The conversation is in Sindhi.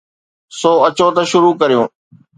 سو اچو ته شروع ڪريون.